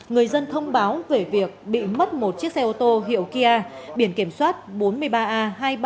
người dân thông báo về việc bị mất một chiếc xe ô tô hiệu kia biển kiểm soát bốn mươi ba a hai mươi ba nghìn một trăm bốn mươi bốn